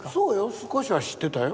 少しは知ってたよ。